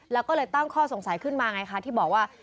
แล้วก็เลยตั้งข้อสงสัยขึ้นมาไงคะที่บอกว่า